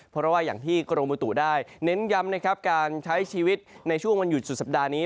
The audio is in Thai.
เพราะว่าอย่างที่กรมบุตุได้เน้นย้ำนะครับการใช้ชีวิตในช่วงวันหยุดสุดสัปดาห์นี้